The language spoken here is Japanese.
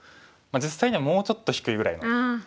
実際にはもうちょっと低いぐらいな。